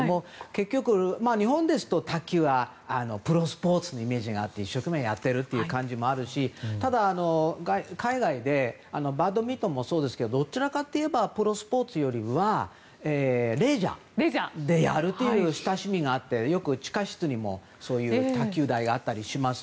結局、日本ですと卓球はプロスポーツのイメージがあって、一生懸命やってるというのもあるしただ、海外でバドミントンもそうですけどどちらかというとプロスポーツよりはレジャーでやるという親しみがあってよく地下室にも、そういう卓球台があったりします。